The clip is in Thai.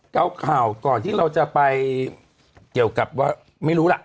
เอาข่าวก่อนที่เราจะไปเกี่ยวกับว่าไม่รู้ล่ะ